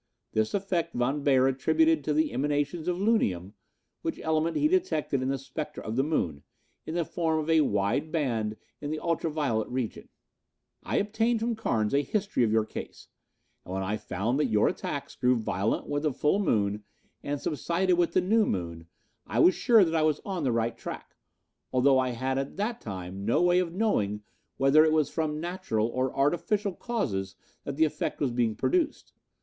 This effect Von Beyer attributed to the emanations of lunium, which element he detected in the spectra of the moon, in the form of a wide band in the ultra violet region. "I obtained from Carnes a history of your case, and when I found that your attacks grew violent with the full moon and subsided with the new moon, I was sure that I was on the right track, although I had at that time no way of knowing whether it was from natural or artificial causes that the effect was being produced.